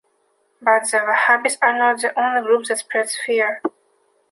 But the Wahhabis are not the only group that spreads fear.